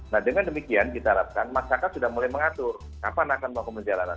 nah dengan demikian kita harapkan masyarakat sudah mulai mengatur kapan akan melakukan perjalanan